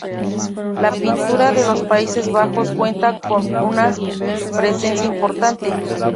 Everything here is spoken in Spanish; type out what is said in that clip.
La pintura de los Países Bajos cuenta con una presencia importante.